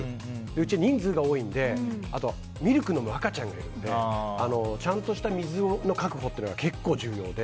うちは人数が多いのであとミルクを飲む赤ちゃんもいるのでちゃんとした水の確保というのが結構重要で。